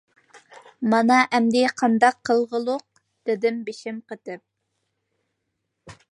— مانا ئەمدى قانداق قىلغۇلۇق؟ — دېدىم بېشىم قېتىپ.